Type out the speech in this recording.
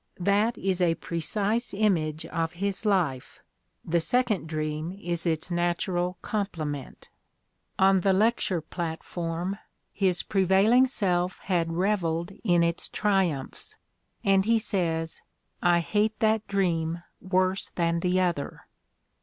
That is a precise iipage of his life ; the second dream is its natural complement. On the lecture plat 266 The Ordeal of Mark Twain form his prevailing self had "revelled" in its triumphs, and, he says, "I hate that dream worse than the other."